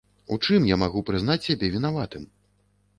У чым я магу прызнаць сябе вінаватым?